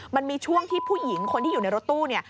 มันมีช่วงที่ผู้หญิงคนที่อยู่ในรถตู้เนี่ย